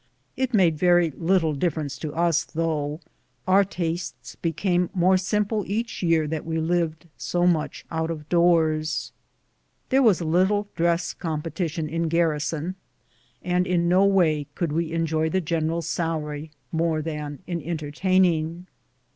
It made very little 150 BOOTS AND SADDLES. difference to us, though ; onr tastes became more simple each year that we lived so much out of doors. There was little dress competition in garrison, and in no way could we enjoy the general's salary more than in entertaining.